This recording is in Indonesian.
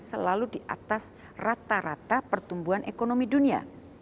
selalu di atas rata rata pertumbuhan ekonomi dunia